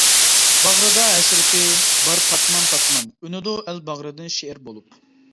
باغرىدا ھەسرىتى بار پاتمان-پاتمان، ئۈنىدۇ ئەل باغرىدىن شېئىر بولۇپ.